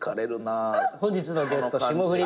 本日のゲスト霜降り